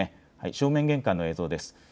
正面玄関の映像です。